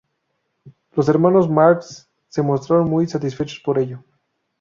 Los Hermanos Marx se mostraron muy satisfechos por ello.